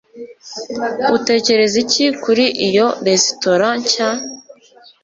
Utekereza iki kuri iyo resitora nshya?